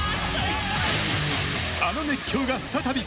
あの熱狂が再び。